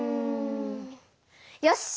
よし！